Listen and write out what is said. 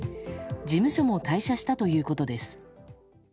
事務所も退社したということです。